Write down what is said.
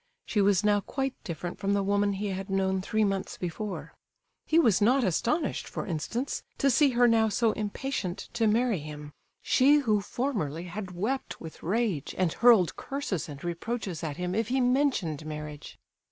She was now quite different from the woman he had known three months before. He was not astonished, for instance, to see her now so impatient to marry him—she who formerly had wept with rage and hurled curses and reproaches at him if he mentioned marriage!